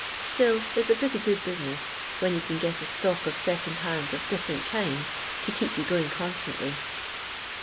Still, it 's a pretty good business, when you can get a stock of second hands of different kinds to keep you going constantly."